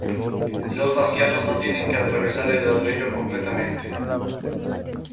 Los vaciados no tienen que atravesar el ladrillo completamente.